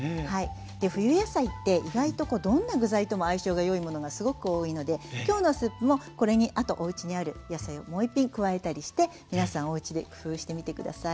で冬野菜って意外とどんな具材とも相性がよいものがすごく多いので今日のスープもこれにあとおうちにある野菜をもう一品加えたりして皆さんおうちで工夫してみて下さい。